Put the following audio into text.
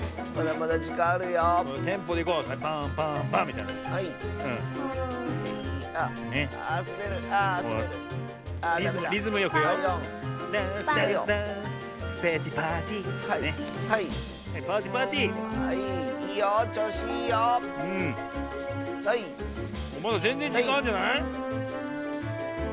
まだぜんぜんじかんあんじゃない？